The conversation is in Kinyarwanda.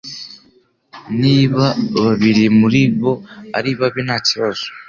niba babiri muri bo ari babi ntakibazo